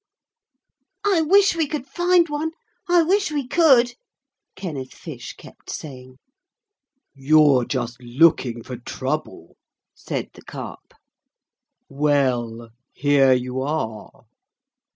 'I wish we could find one! I wish we could!' Kenneth Fish kept saying. 'You're just looking for trouble,' said the Carp. 'Well, here you are!'